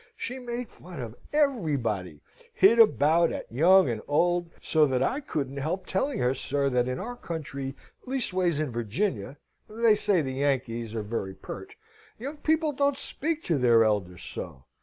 She made fun of everybody hit about at young and old so that I couldn't help telling her, sir, that in our country, leastways in Virginia (they say the Yankees are very pert), young people don't speak of their elders so.